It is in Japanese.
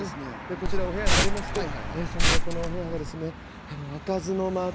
「こちらお部屋になりましてその横のお部屋がですね開かずの間と呼ばれておりまして」。